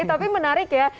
tapi menarik ya